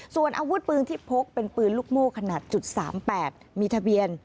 ส่วนอาวุธปืนที่พกเป็นปืนลูกโม่ขนาด๓๘มีทะเบียน